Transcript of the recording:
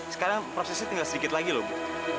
sekarang prosesnya tinggal sedikit lagi loh bu